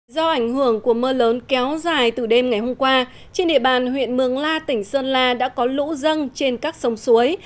do ảnh hưởng của mưa lớn kéo dài từ đêm ngày hôm qua trên địa bàn huyện mường la tỉnh sơn la đã có lũ dâng trên các sông suối